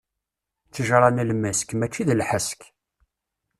Ṭṭejṛa n lmesk, mačči d lḥesk.